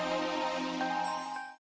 jangan lupa untuk mencoba